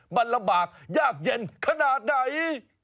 มันลำบากยากเย็นขนาดไหน